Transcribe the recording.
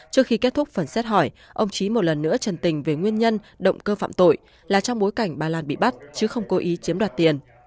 trước khi kết thúc phần xét hỏi ông trí một lần nữa trần tình về nguyên nhân động cơ phạm tội là trong bối cảnh bà lan bị bắt chứ không cố ý chiếm đoạt tiền